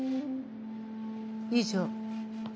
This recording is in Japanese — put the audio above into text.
以上。